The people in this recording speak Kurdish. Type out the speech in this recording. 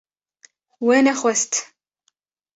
We nexwest